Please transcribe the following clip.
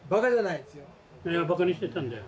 いやバカにしてたんだよ。